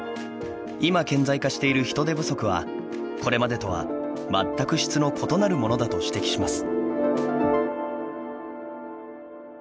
今、顕在化している人手不足はこれまでとは全く質の異なるものだと指摘します。